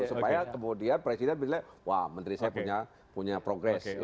supaya kemudian presiden bilang wah menteri saya punya progres